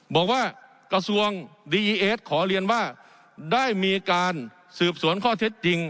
บอกว่ากระทรวงดีอีเอสขอเรียนว่าได้มีการสืบสวนข้อเท็จจริง